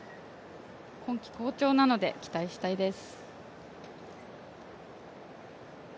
今季好調なので、期待したいです。